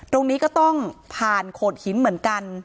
ตรงนี้ก็ต้องผ่านโขดหินเหมือนกัน